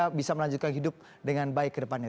kita bisa melanjutkan hidup dengan baik ke depannya